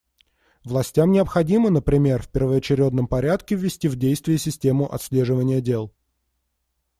Властям необходимо, например, в первоочередном порядке ввести в действие систему отслеживания дел.